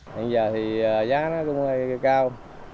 hiện giờ giá nó cũng hơi cao